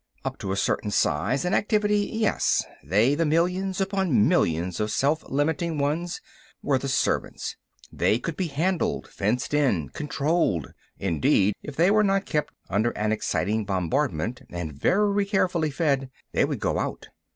Up to a certain size and activity, yes. They, the millions upon millions of self limiting ones, were the servants. They could be handled, fenced in, controlled; indeed, if they were not kept under an exciting bombardment and very carefully fed, they would go out.